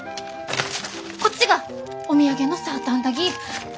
こっちがお土産のサーターアンダギー。